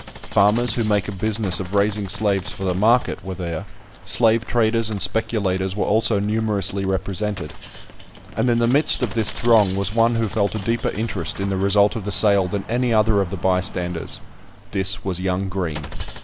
Farmers who make a business of raising slaves for the market were there; slave traders and speculators were also numerously represented; and in the midst of this throng was one who felt a deeper interest in the result of the sale than any other of the bystanders; this was young Green.